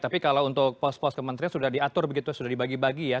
tapi kalau untuk pos pos kementerian sudah diatur begitu sudah dibagi bagi ya